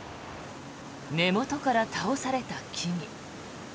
根元から倒された木々。